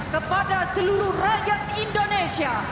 kepada seluruh rakyat indonesia